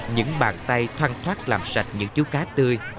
những bàn tay thoăn thoát làm sạch những chú cá tươi